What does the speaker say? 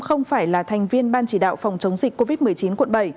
không phải là thành viên ban chỉ đạo phòng chống dịch covid một mươi chín quận bảy